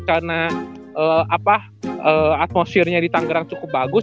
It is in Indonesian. karena atmosfernya di tanggerang cukup bagus